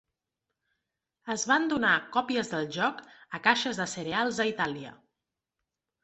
Es van donar còpies del joc a caixes de cereals a Itàlia.